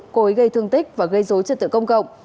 cố ý gây thương tích và gây dối trực tượng công cộng